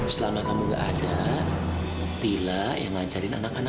selama kamu gak ada mbti la yang ngajarin anak anak ini